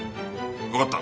わかった。